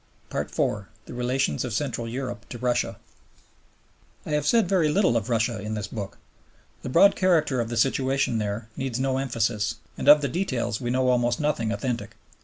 4. The Relations of Central Europe to Russia I have said very little of Russia in this book. The broad character of the situation there needs no emphasis, and of the details we know almost nothing authentic.